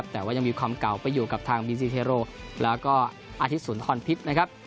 แต่ว่ายังมีความเก่าไปอยู่กับทางบิซิเทโรแล้วก็อาทิตย์ศูนย์ทอนพิษ